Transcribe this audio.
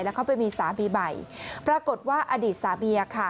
แล้วเขาไปมีสามีใหม่ปรากฏว่าอดีตสาเบียค่ะ